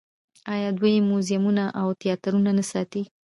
آیا دوی موزیمونه او تیاترونه نه ساتي؟